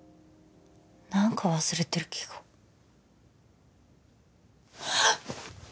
何か忘れてる気がはっ！